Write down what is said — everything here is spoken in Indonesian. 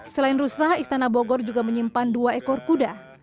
selain rusah istana bogor juga menyimpan dua ekor kuda